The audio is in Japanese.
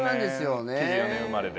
９４年生まれで。